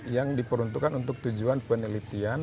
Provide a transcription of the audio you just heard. yang diperuntukkan untuk tujuan penelitian